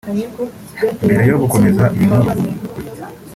Mbere yo gukomeza iyi nkuru